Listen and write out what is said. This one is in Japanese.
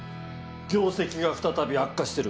業績が再び悪化してる。